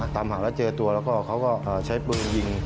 ตามหาแล้วเจอตัวแล้วก็เขาก็ใช้ปืนยิง